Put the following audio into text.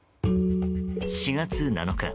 ４月７日